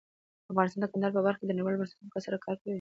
افغانستان د کندهار په برخه کې نړیوالو بنسټونو سره کار کوي.